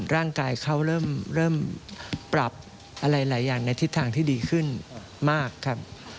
ร่างกายเขาเริ่มปรับอะไรหลายอย่างในทิศทางที่ดีขึ้นมากครับ